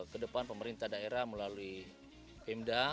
ke depan pemerintah daerah melalui pemda